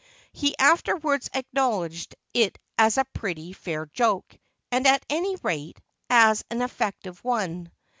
He afterwards acknowledged it as a pretty fair joke, and at any rate, as an effective one.